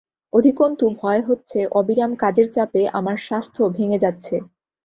অধিকন্তু ভয় হচ্ছে, অবিরাম কাজের চাপে আমার স্বাস্থ্য ভেঙে যাচ্ছে।